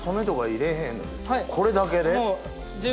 これだけで？